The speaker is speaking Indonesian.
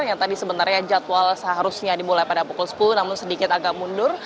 yang tadi sebenarnya jadwal seharusnya dimulai pada pukul sepuluh namun sedikit agak mundur